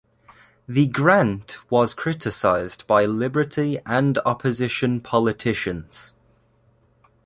The grant was criticised by Liberty and opposition politicians.